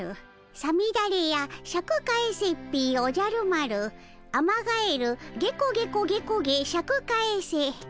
「さみだれやシャク返せっピィおじゃる丸」「アマガエルゲコゲコゲコゲシャク返せ」。